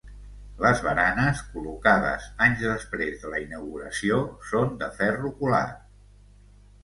Les baranes, col·locades anys després de la inauguració, són de ferro colat.